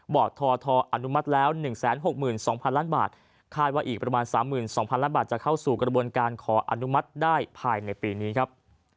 ททอนุมัติแล้ว๑๖๒๐๐ล้านบาทคาดว่าอีกประมาณ๓๒๐๐ล้านบาทจะเข้าสู่กระบวนการขออนุมัติได้ภายในปีนี้ครับ